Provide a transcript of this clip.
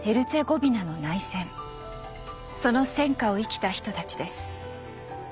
その戦禍を生きた人たちです。